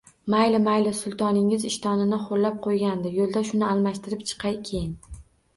Mayli, mayli, Sultoningiz ishtonini ho`llab qo`ygandi yo`lda, shuni almashtirib chiqay, keyin